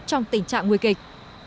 trong tình trạng nguy kịch